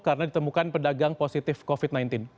karena ditemukan pedagang positif covid sembilan belas